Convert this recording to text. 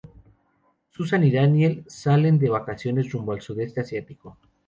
Susan y Daniel salen de vacaciones rumbo al sudeste asiático.